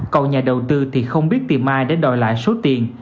còn nhà đầu tư thì không biết tìm mai để đòi lại số tiền